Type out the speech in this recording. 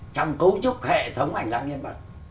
trong cấu trúc hệ thống hành lang nhân vật